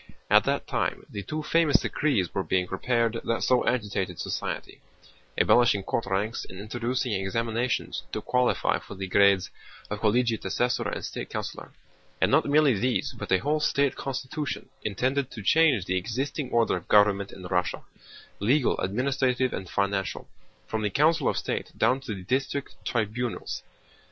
At that time the two famous decrees were being prepared that so agitated society—abolishing court ranks and introducing examinations to qualify for the grades of Collegiate Assessor and State Councilor—and not merely these but a whole state constitution, intended to change the existing order of government in Russia: legal, administrative, and financial, from the Council of State down to the district tribunals.